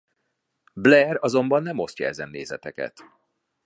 Blair azonban nem osztja ezen nézeteket.